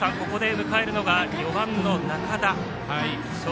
ここで迎えるのが４番の仲田。